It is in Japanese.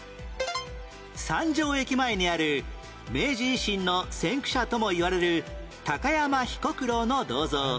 三条駅前にある明治維新の先駆者ともいわれる高山彦九郎の銅像